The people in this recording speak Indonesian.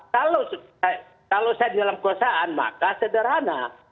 kalau saya di dalam kekuasaan maka sederhana